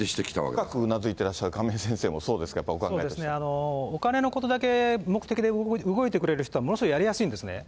深くうなずいていらっしゃる亀井先生も、そうですか、やっぱそうですね、お金のことだけ目的で、動いてくれる人はものすごいやりやすいんですね。